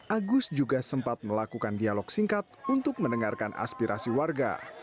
agus juga sempat melakukan dialog singkat untuk mendengarkan aspirasi warga